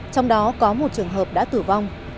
trong đó có một trường hợp đã tử vong